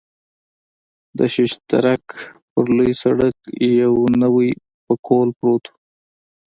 د شش درک پر لوی سړک یو نوی پکول پروت و.